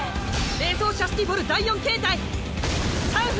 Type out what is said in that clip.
霊槍シャスティフォル第四形態「光華」！